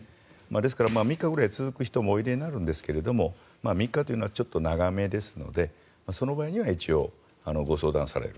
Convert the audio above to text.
ですから、３日くらい続く人もおいでになるんですけど３日というのはちょっと長めですのでその場合にはご相談されて。